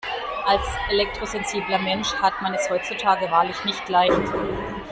Als elektrosensibler Mensch hat man es heutzutage wahrlich nicht leicht.